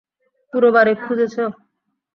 পুরো বাড়ী খুঁজেছো?